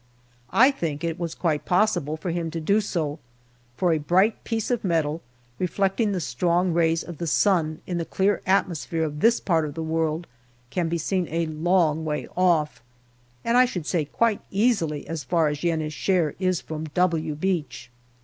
I think it was quite possible for him to do so, for a bright piece of metal reflecting the strong rays of the sun in the clear atmosphere of this part of the world can be seen a long way off, and I should say quite easily as far off as Yen i Shehr is from "W" Beach.